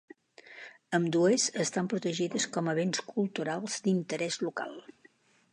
Ambdues estan protegides com a béns culturals d'interès local.